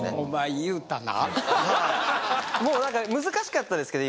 もうなんか難しかったですけど